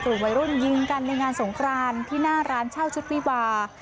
วัยรุ่นยิงกันในงานสงครานที่หน้าร้านเช่าชุดวิวา